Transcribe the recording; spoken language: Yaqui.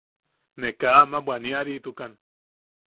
Ne kaa ama bwaniaritukan.